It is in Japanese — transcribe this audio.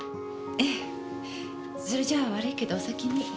ええ。それじゃあ悪いけどお先に。